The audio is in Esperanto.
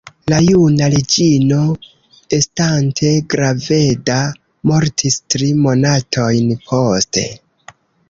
La juna reĝino, estante graveda, mortis tri monatojn poste.